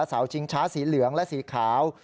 เสาชิงช้าสีเหลืองและสีขาว